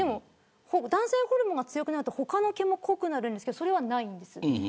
男性ホルモンが増えると他の毛も濃くなるんですけどそれはないんです。